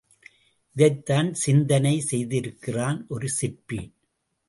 இதைத்தான் சிந்தனை செய்திருக்கிறான் ஒரு சிற்பி.